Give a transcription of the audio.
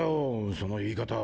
その言い方。